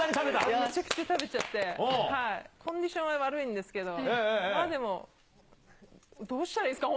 めちゃくちゃ食べちゃって、コンディションは悪いんですけど、でもどうしたらいいですか？